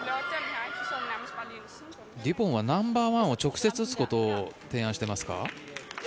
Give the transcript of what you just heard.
デュポンはナンバーワンを直接打つことを提案していますか？